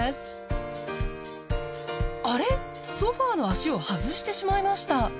ソファの足を外してしまいました。